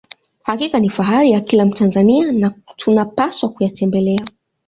hakika ni fahari ya kila mtanzania na tunapaswa kuyatembelea